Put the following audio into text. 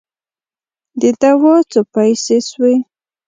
د دوا څو پیسې سوې؟